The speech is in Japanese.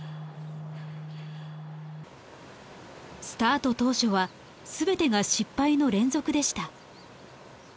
スタート当初は全てが失敗の連続でした。